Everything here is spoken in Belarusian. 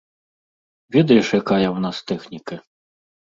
Ведаеш, якая ў нас тэхніка?